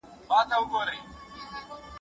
ایمیلي د نولسمې لسیزې ماشومه ده.